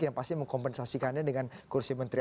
yang pasti mengkompensasikannya dengan kursi menteri